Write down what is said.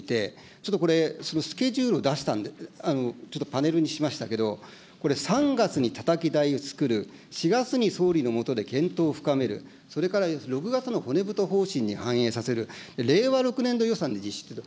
ちょっとこれ、スケジュール出したんで、ちょっとパネルにしましたけど、これ、３月にたたき台をつくる、４月に総理の下で検討を深める、それから６月の骨太方針の反映させる、令和６年度予算で実施する。